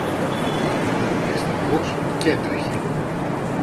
Ήταν βιαστικός κι έτρεχε.